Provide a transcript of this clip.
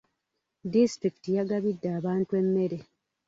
Disitulikiti yagabidde abantu emmere.